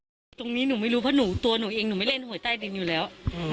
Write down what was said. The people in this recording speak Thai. ตรงนี้หนูไม่รู้เพราะหนูตัวหนูเองหนูไม่เล่นหวยใต้ดินอยู่แล้ว